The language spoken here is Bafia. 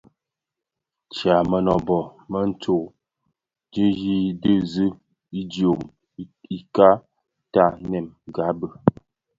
Nshya mënöbö më tsô dhiyis di zi idyom ika tanèngabi.